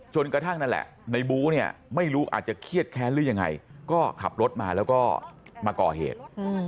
นั่นแหละในบู๊เนี่ยไม่รู้อาจจะเครียดแค้นหรือยังไงก็ขับรถมาแล้วก็มาก่อเหตุ